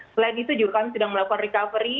selain itu juga kami sedang melakukan recovery